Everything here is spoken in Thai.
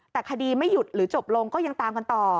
แต่คดีไม่หยุดหรือจบลงก็ยังตามกันต่อ